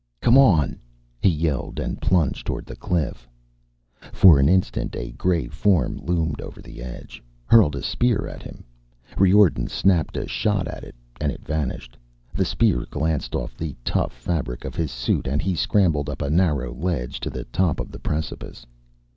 "Come on!" he yelled, and plunged toward the cliff. For an instant a gray form loomed over the edge, hurled a spear at him. Riordan snapped a shot at it, and it vanished. The spear glanced off the tough fabric of his suit and he scrambled up a narrow ledge to the top of the precipice.